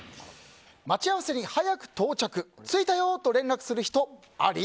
待ち合わせに早く到着着いたよと連絡する人あり？